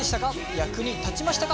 役に立ちましたか？